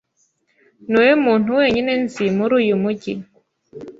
Niwowe muntu wenyine nzi muri uyu mugi.